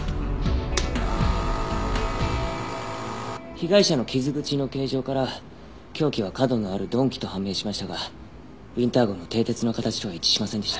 被害者の傷口の形状から凶器は角のある鈍器と判明しましたがウィンター号の蹄鉄の形とは一致しませんでした。